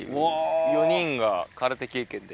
４人が空手経験で。